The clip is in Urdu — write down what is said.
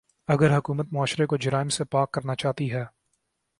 اگر حکومت معاشرے کو جرائم سے پاک کرنا چاہتی ہے۔